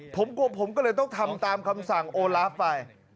ผมกลัวผมก็เลยต้องทำตามคำสั่งโอลาฟไป